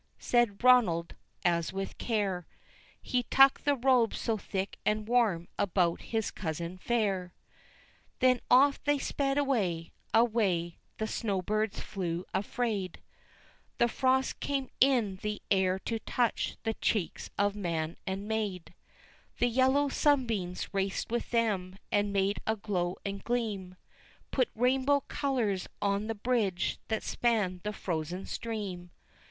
said Ronald, as with care He tucked the robes so thick and warm about his cousin fair. Then off they sped away away, the snow birds flew afraid, The frost came in the air to touch the cheeks of man and maid, The yellow sunbeams raced with them, and made a glow and gleam, Put rainbow colors on the bridge that spanned the frozen stream.